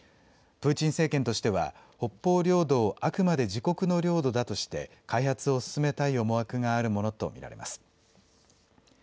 プーチン政権としては北方領土をあくまで自国の領土だとして開発を進めたい思惑があるものと見られます。